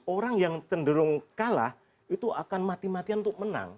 orang yang cenderung kalah itu akan mati matian untuk menang